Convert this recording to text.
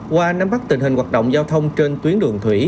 qua nắm bắt tình hình hoạt động giao thông trên tuyến đường thủy